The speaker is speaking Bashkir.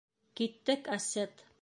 Киттек, Асет.